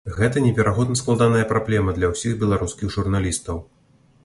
Гэта неверагодна складаная праблема для ўсіх беларускіх журналістаў.